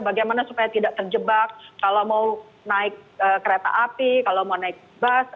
bagaimana supaya tidak terjebak kalau mau naik kereta api kalau mau naik bus